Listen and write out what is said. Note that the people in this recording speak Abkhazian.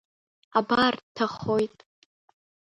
Абар дҭахоит!